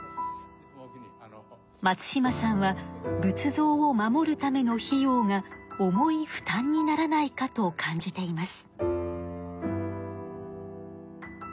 松島さんは仏像を守るための費用が重い負担にならないかと感じています。